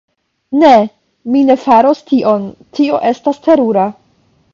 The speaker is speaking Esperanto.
Ne. Mi ne faros tion. Tio estas terura.